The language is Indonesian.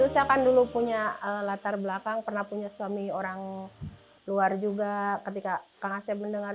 saya kan dulu punya latar belakang pernah punya suami orang luar juga ketika kang asep mendengar